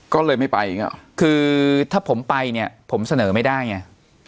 ก็เลยไม่ไปคือถ้าผมไปเนี่ยผมเสนอไม่ได้เนี่ย